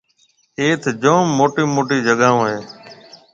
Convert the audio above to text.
ايٿ جوم موٽيَ موٽيَ جگھاهون هيَ۔